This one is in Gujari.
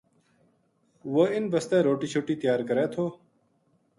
و ہ اِنھ بسطے روٹی شوٹی تیار کرے تھو